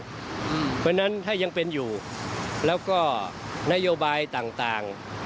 ก็ยังเป็นอยู่ดังนั้นถ้ายังเป็นอยู่แล้วก็นโยบายต่าง